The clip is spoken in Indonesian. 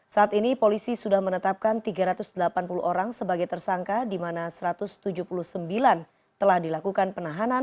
saat ini polisi sudah menetapkan tiga ratus delapan puluh orang sebagai tersangka di mana satu ratus tujuh puluh sembilan telah dilakukan penahanan